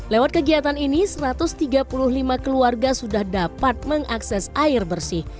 lewat kegiatan ini satu ratus tiga puluh lima keluarga sudah dapat mengakses air bersih